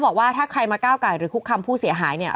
บอกว่าถ้าใครมาก้าวไก่หรือคุกคำผู้เสียหายเนี่ย